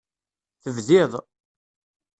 Tebdid.